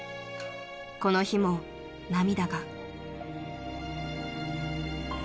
［この日も涙が］